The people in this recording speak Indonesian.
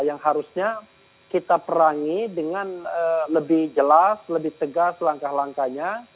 yang harusnya kita perangi dengan lebih jelas lebih tegas langkah langkahnya